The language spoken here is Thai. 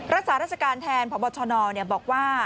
รักษาราชการแทนพบชนบอกว่า